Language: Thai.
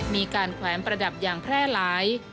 มีการแขวมประดับอย่างแพร่หลาย